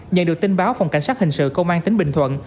nhận được tin báo phòng cảnh sát hình sự công an tỉnh bình thuận